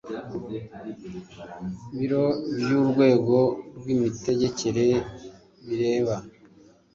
biro by urwego rw imitegekere bireba